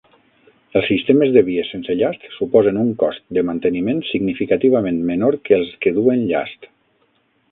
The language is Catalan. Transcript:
Els sistemes de vies sense llast suposen un cost de manteniment significativament menor que els que duen llast.